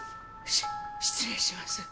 し失礼します。